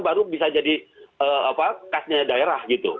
baru bisa jadi kasnya daerah gitu